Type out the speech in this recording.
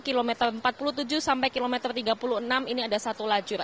kilometer empat puluh tujuh sampai kilometer tiga puluh enam ini ada satu lajur